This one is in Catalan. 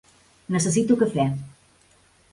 Necessito cafè.